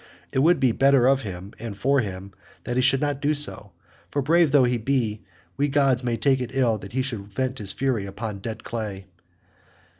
It were better of him, and for him, that he should not do so, for brave though he be we gods may take it ill that he should vent his fury upon dead clay."